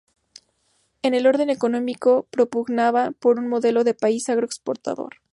En el orden económico propugnaban por un modelo de país agro exportador.